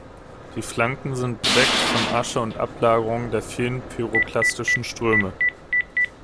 Die Flanken sind bedeckt von Asche und Ablagerungen der vielen pyroklastischen Ströme.